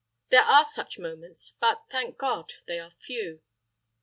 There are such moments; but, thank God, they are few.